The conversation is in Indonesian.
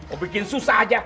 oh bikin susah aja